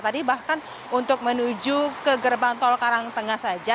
tadi bahkan untuk menuju ke gerbang tol karangtengah saja